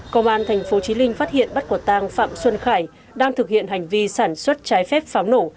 công an thành phố chí linh phát hiện bắt quả tang phạm xuân khải đang thực hiện hành vi sản xuất trái phép pháo nổ